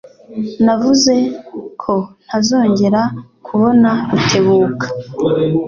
Navuze ko ntazongera kubona Rutebuka.